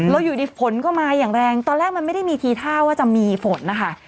แล้วอยู่ดีฝนก็มาอย่างแรงตอนแรกมันไม่ได้มีทีท่าว่าจะมีฝนนะคะ